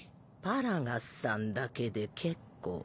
パラガスさんだけで結構。